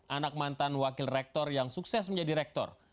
anak mantan wakil rektor yang sukses menjadi rektor